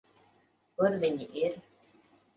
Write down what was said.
Kur viņi ir?